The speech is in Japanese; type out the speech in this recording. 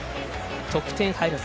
得点入らず。